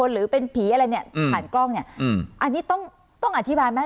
หรือเป็นผีอะไรเนี่ยผ่านกล้องเนี่ยอันนี้ต้องต้องอธิบายไหม